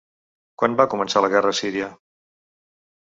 Quan va començar la guerra a Síria?